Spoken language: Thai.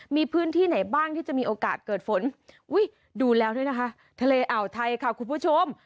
มีพื้นที่ไหนบ้างที่จะมีโอกาสเกิดฝนอุ้ยดูแล้วด้วยนะคะทะเลอ่าวไทยค่ะคุณผู้ชม